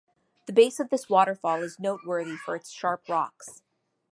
The base of this waterfall is noteworthy for its sharp rocks.